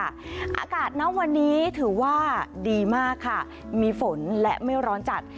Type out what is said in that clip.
อากาศณวันนี้ถือว่าดีมากค่ะมีฝนและไม่ร้อนจัด